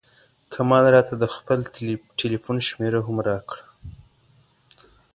کمال راته د خپل ټیلفون شمېره هم راکړه.